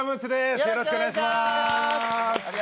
よろしくお願いします。